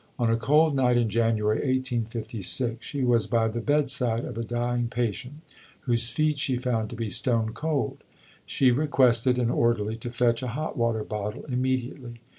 On a cold night in January 1856, she was by the bedside of a dying patient; whose feet she found to be stone cold. She requested an orderly to fetch a hot water bottle immediately.